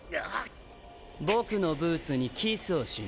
僕のブーツにキスをしな。